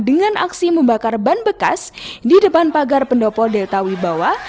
dengan aksi membakar ban bekas di depan pagar pendopo delta wibawa